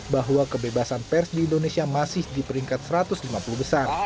bahwa kebebasan pers di indonesia masih di peringkat satu ratus lima puluh besar